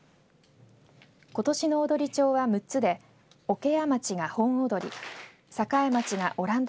ことしの踊町は６つで桶屋町が本踊栄町が阿蘭陀